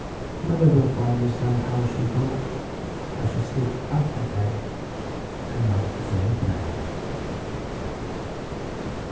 "Mother will find me somehow," she thought, as she slipped out of bed and knelt to say her prayers.